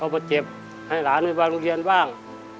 ประเจ็บให้หลานไปวางโรงเรียนบ้าง